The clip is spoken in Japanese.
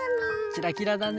キラキラだね。